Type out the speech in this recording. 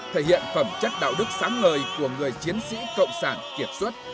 thể hiện phẩm chất đạo đức sáng ngời của người chiến sĩ cộng sản kiệt xuất